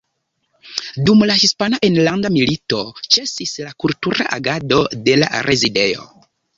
Dum la Hispana Enlanda Milito ĉesis la kultura agado de la Rezidejo.